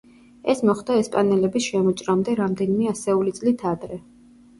ეს მოხდა ესპანელების შემოჭრამდე რამდენიმე ასეული წლით ადრე.